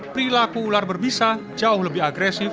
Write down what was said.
perilaku ular berbisa jauh lebih agresif